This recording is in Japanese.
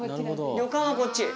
旅館はこっち。